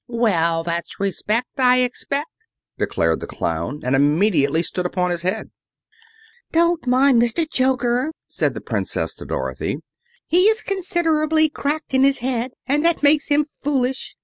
"Well, that's respect, I expect," declared the Clown, and immediately stood upon his head. "Don't mind Mr. Joker," said the Princess to Dorothy. "He is considerably cracked in his head, and that makes him foolish."